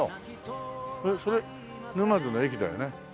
それ沼津の駅だよね。